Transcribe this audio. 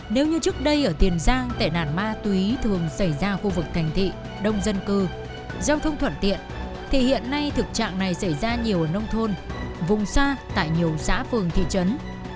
nếu như trước đây ở tiền giang tệ nạn ma túy thường xảy ra khu vực thành thị đông dân cư giao thông thuận tiện thì hiện nay thực trạng này xảy ra nhiều ở nông thôn vùng xa tại nhiều xã phường thị trấn